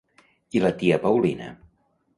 I la tia Paulina?